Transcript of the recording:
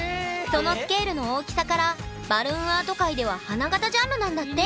そのスケールの大きさからバルーンアート界では花形ジャンルなんだって！